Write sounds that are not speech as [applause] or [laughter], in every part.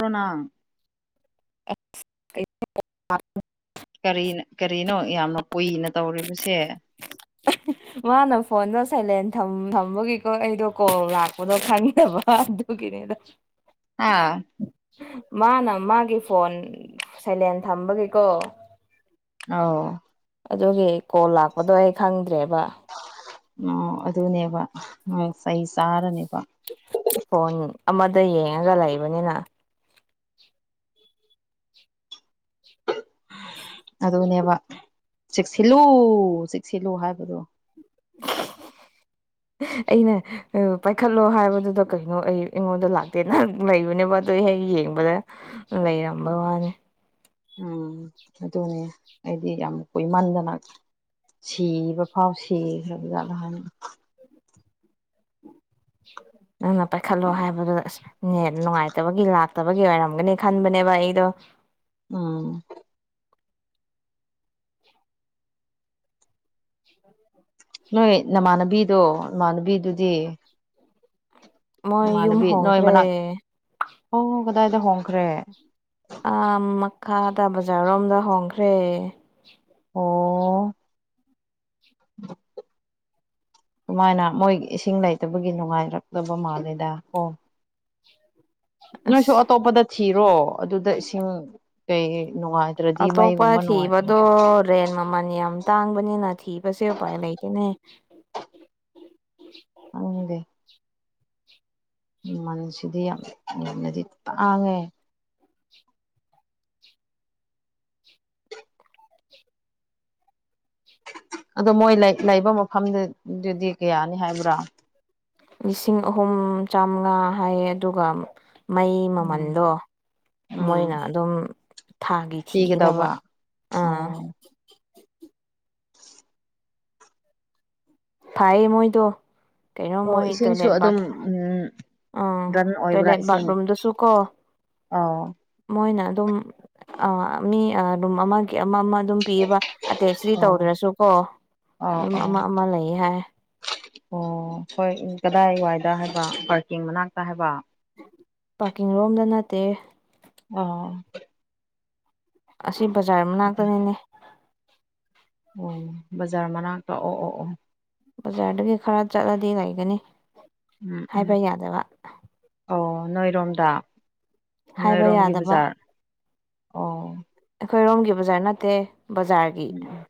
꯭ꯔꯣ ꯅꯪ [unintelligible] ꯀꯔꯤ ꯅ ꯀꯔꯤꯅꯣ ꯌꯥꯝꯅ ꯀꯨꯏꯅ ꯇꯧꯔꯤꯕꯁꯦ꯫ ꯃꯥꯅ ꯐꯣꯟꯗꯣ ꯁꯥꯏꯂꯦꯟ ꯊꯝ ꯊꯝꯕꯒꯤꯀꯣ ꯑꯩꯗꯣ ꯀꯣꯜ ꯂꯥꯛꯄꯗꯣ ꯈꯪꯗꯕ ꯑꯗꯨꯒꯤꯅꯤꯗ꯫ ꯍꯥ ꯃꯥꯅ ꯃꯥꯒꯤ ꯐꯣꯟ ꯁꯥꯏꯂꯦꯟ ꯊꯝꯕꯒꯤꯀꯣ꯫ ꯑꯥꯎ꯫ ꯑꯗꯨꯒꯤ ꯀꯣꯜ ꯂꯥꯛꯄꯗꯣ ꯑꯩ ꯈꯪꯗ꯭ꯔꯦꯕ꯫ ꯎꯝ ꯑꯗꯨꯅꯦꯕ ꯎꯝ ꯆꯩ ꯆꯥꯔꯅꯤꯕ꯫ ꯐꯣꯟ ꯑꯃꯗ ꯌꯦꯡꯉꯒ ꯂꯩꯕꯅꯤꯅ꯫ ꯑꯗꯨꯅꯦꯕ ꯆꯦꯛꯁꯤꯜꯂꯨ ꯆꯦꯛꯁꯤꯜꯂꯨ ꯍꯥꯏꯕꯗꯣ꯫ ꯑꯩꯅ ꯎ ꯄꯥꯏꯈꯠꯂꯣ ꯍꯥꯏꯕꯗꯨꯗ ꯀꯩꯅꯣ ꯑꯩ ꯑꯩꯉꯣꯟꯗ ꯂꯥꯛ ꯇꯦ [unintelligible] ꯅꯩꯕꯅꯦꯕ ꯑꯗꯨ ꯍꯦꯛ ꯌꯦꯡꯕꯗ ꯂꯩꯔꯝꯕ ꯋꯥꯅꯦ꯫ ꯎꯝ꯫ ꯑꯗꯨꯅꯦ ꯑꯩꯗꯤ ꯌꯥꯝ ꯀꯨꯏꯃꯟꯗꯅ ꯁꯤꯕ ꯐꯥꯎ ꯁꯤꯈ꯭ꯔꯕꯖꯥꯠꯂꯥ ꯍꯟ ꯅꯪꯅ ꯄꯥꯏꯈꯠꯂꯣ ꯍꯥꯏꯕꯗꯨꯗ ꯑꯁ ꯅꯦꯠ ꯅꯨꯡꯉꯥꯏꯇꯕꯒꯤ ꯂꯥꯛꯇꯕꯒꯤ ꯑꯣꯏꯔꯝꯒꯅꯤ ꯈꯟꯕꯅꯦꯕ ꯑꯩꯗꯣ ꯎꯝ [inaudible] ꯅꯣꯏ ꯅꯃꯥꯟꯅꯕꯤꯗꯣ ꯅꯃꯥꯟꯅꯕꯤꯗꯨꯗꯤ ꯃꯣꯏ ꯌꯨꯝ ꯏꯃꯥꯟꯅꯕꯤ ꯅꯣꯏ ꯍꯣꯡꯈ꯭ꯔꯦ ꯃꯅꯥꯛ ꯍꯣ ꯍꯣ ꯀꯗꯥꯏꯗ ꯍꯣꯡꯈ꯭ꯔꯦ ꯑꯥ ꯃꯈꯥꯗ ꯕꯖꯥꯔꯔꯣꯝꯗ ꯍꯣꯡꯈ꯭ꯔꯦ ꯑꯣ [unintelligible] ꯁꯨꯃꯥꯏꯅ ꯃꯣꯏꯒꯤ ꯏꯁꯤꯡ ꯂꯩꯇꯕꯒꯤ ꯅꯨꯡꯉꯥꯏꯔꯛꯇꯕ ꯃꯥꯜꯂꯦꯗ ꯀꯣ ꯅꯣꯏꯁꯨ ꯑꯁ ꯑꯇꯣꯞꯄꯗ ꯊꯤꯔꯣ ꯑꯗꯨꯗ ꯏꯁꯤꯡ ꯀꯩ ꯅꯨꯡꯉꯥꯏ ꯑꯇꯣꯞꯄ ꯊꯤꯕꯗꯣ ꯇ꯭ꯔꯦꯟ ꯃꯃꯟ ꯌꯥꯝ ꯇꯥꯡꯕꯅꯤꯅ ꯊꯤꯕꯁꯦ ꯎꯄꯥꯏ ꯂꯩꯇꯦꯅꯦ ꯑꯩꯪꯗꯦ ꯃꯟꯁꯤꯗꯤ ꯌꯥꯝ ꯌꯥꯝꯅꯗꯤ ꯇꯥꯡꯉꯦ ꯑꯗꯣ ꯃꯣꯏ ꯂꯩ ꯂꯩꯕ ꯃꯐꯝꯗ ꯗꯨꯗꯤ ꯀꯌꯥꯅꯤ ꯍꯥꯏꯕ꯭ꯔꯥ ꯂꯤꯁꯤꯡ ꯑꯍꯨꯝ ꯆꯥꯝꯃꯉꯥ ꯍꯥꯏꯌꯦ ꯑꯗꯨꯒ ꯃꯩ ꯎꯝ ꯃꯃꯟꯗꯣ ꯎꯝ ꯃꯣꯏꯅ ꯑꯗꯨꯝ ꯊꯥꯒꯤ ꯊꯤꯒꯗꯕ ꯄꯤꯒꯗꯧꯕ ꯑꯣ ꯑꯥ ꯐꯥꯏꯌꯦ ꯃꯣꯏꯗꯣ ꯀꯩꯅꯣ ꯑꯣ ꯃꯣꯏ ꯏꯁꯤꯡꯁꯨ ꯇꯣꯏꯂꯦꯠ ꯕꯥꯠ ꯑꯗꯨꯝ ꯎꯝ ꯑꯥ ꯗꯟ ꯑꯣꯏꯕ꯭ꯔꯥ ꯇꯣꯏꯂꯦꯠ ꯏꯁꯤꯡ ꯕꯥꯠꯔꯨꯝꯗꯨꯁꯨ ꯀꯣ ꯑꯥꯎ ꯃꯣꯏꯅ ꯑꯗꯨꯝ ꯑꯥ ꯃꯤ ꯑ ꯔꯨꯝ ꯑꯃꯒꯤ ꯑꯃ ꯑꯃ ꯗꯨꯝ ꯄꯤꯌꯦꯕ ꯑꯇꯦꯠꯁꯇꯤ ꯑꯣ ꯇꯧꯗ꯭ꯔꯁꯨꯀꯣ ꯑꯣ ꯑꯗꯨꯝ ꯑꯣ ꯑꯃ ꯑꯃ ꯂꯩꯌꯦ ꯍꯥꯏ ꯑꯣ ꯍꯣꯏ ꯀꯗꯥꯏ ꯋꯥꯏꯗ ꯍꯥꯏꯕ ꯄꯥꯔꯀꯤꯡ ꯃꯅꯥꯛꯇ ꯍꯥꯏꯕ ꯄꯥꯔꯀꯤꯡ ꯔꯣꯝꯗ ꯅꯠꯇꯦ ꯑꯣ ꯑꯁꯤ ꯕꯖꯥꯔ ꯃꯅꯥꯛꯇꯅꯤꯅꯦ ꯑꯣ ꯕꯖꯥꯔ ꯃꯅꯥꯛꯇ ꯑꯣ ꯑꯣ ꯑꯣ ꯕꯖꯥꯔꯗꯒꯤ ꯈꯔ ꯆꯠꯂꯗꯤ ꯂꯩꯒꯅꯤ ꯎꯝ ꯎꯝ ꯍꯥꯏꯕ ꯌꯥꯗꯕ ꯑꯧ ꯅꯣꯏꯔꯣꯝꯗꯥ ꯍꯥꯏꯕ ꯅꯣꯏꯔꯣꯝꯒꯤ ꯌꯥꯗꯕ ꯕꯖꯥꯔ ꯑꯣ ꯑꯩꯈꯣꯏꯔꯣꯝꯒꯤ ꯕꯖꯥꯔ ꯅꯠꯇꯦ ꯕꯖꯥꯔ ꯎꯝ ꯎꯝ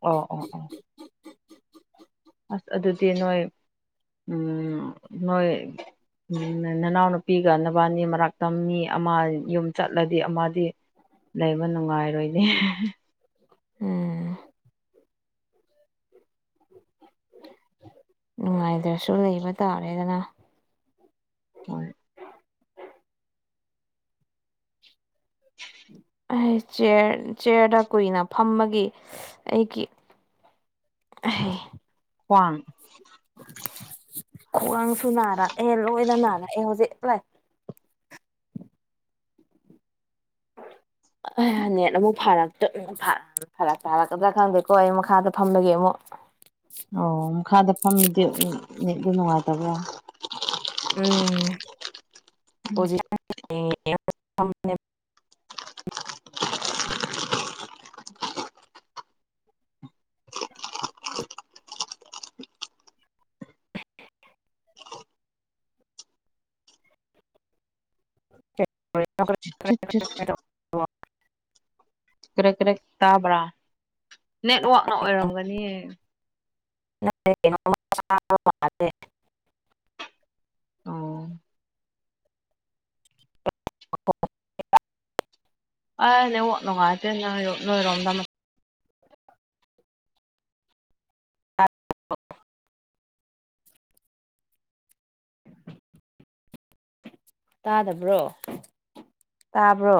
ꯑꯣ ꯑꯣ ꯑꯣ ꯑꯁ ꯑꯗꯨꯗꯤ ꯅꯣꯏ ꯎꯝ ꯅꯣꯏ ꯎꯝ ꯅꯅꯥꯎꯅꯨꯄꯤꯒ ꯅꯕꯥꯟꯅꯤ ꯃꯔꯥꯛꯇ ꯃꯤ ꯑꯃ ꯌꯨꯝ ꯆꯠꯂꯗꯤ ꯑꯃꯗꯤ ꯂꯩꯕ ꯅꯨꯡꯉꯥꯏꯔꯣꯏꯅꯦ ꯎꯝ ꯅꯨꯡꯉꯥꯏꯇ꯭ꯔꯁꯨ ꯂꯩꯕ ꯇꯥꯔꯦꯗꯅꯥ ꯍꯣꯏ ꯑꯩ ꯆ꯭ꯌꯔ ꯆ꯭ꯌꯔꯗ ꯀꯨꯏꯅ ꯐꯝꯃꯒꯤ ꯑꯩꯒꯤ ꯑꯍꯦ ꯋꯥꯟ ꯈ꯭ꯋꯥꯡꯁꯨ ꯅꯥꯔꯛꯑꯦ ꯂꯣꯏꯅ ꯅꯥꯔꯛꯑꯦ ꯍꯧꯖꯤꯛ ꯂꯥꯏ [inaudible] [unintelligible] ꯅꯦꯠ ꯑꯃꯨꯛ ꯐꯔꯛ ꯇꯠ ꯐꯔꯛ ꯇꯥꯔꯛꯀꯗ꯭ꯔꯥ ꯈꯪꯗꯦꯀꯣ ꯑꯩ ꯃꯈꯥꯗ ꯐꯝꯂꯒꯦ ꯑꯃꯨꯛ ꯑꯣ ꯃꯈꯥꯗ ꯐꯝꯃꯤꯗꯤ ꯅꯦꯠꯇꯨ ꯅꯨꯡꯉꯥꯏꯇꯕ꯭ꯔꯥ ꯎꯝ [unintelligible] ꯑꯣ [unintelligible] [unintelligible] ꯆꯨꯠ ꯆꯨꯠ [unintelligible] ꯀ꯭ꯔꯛ ꯀ꯭ꯔꯛ ꯇꯥꯕ꯭ꯔꯥ ꯅꯦꯠꯋꯥꯛꯅ ꯑꯣꯏꯔꯝꯒꯅꯤ [unintelligible] [unintelligible] ꯑꯣ ꯑꯥ ꯅꯦꯠꯋꯥꯛ ꯅꯨꯡꯉꯥꯏꯇꯦ ꯅꯣꯏꯔꯣꯝ ꯅꯣꯏꯔꯣꯝꯗ ꯑꯃ ꯇꯥꯗꯕ꯭ꯔꯣ ꯇꯥꯕ꯭ꯔꯣ